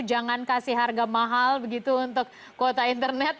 jangan kasih harga mahal begitu untuk kuota internet